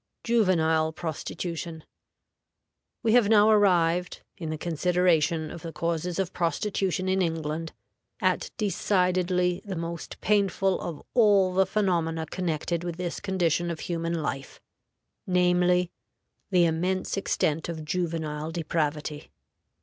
JUVENILE PROSTITUTION. We have now arrived, in the consideration of the causes of prostitution in England, at decidedly the most painful of all the phenomena connected with this condition of human life, namely, the immense extent of juvenile depravity.